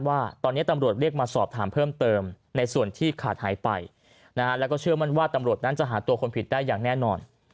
ว่าตอนนี้ตำรวจเรียกมาสอบถามเพิ่มเติมในส่วนที่ขาดหายไปนะฮะแล้วก็เชื่อมั่นว่าตำรวจนั้นจะหาตัวคนผิดได้อย่างแน่นอน